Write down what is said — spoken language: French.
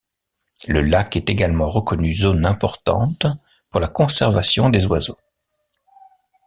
Le lac est également reconnu zone importante pour la conservation des oiseaux.